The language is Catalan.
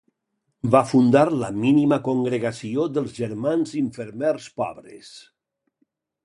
Va fundar la Mínima Congregació dels Germans Infermers Pobres.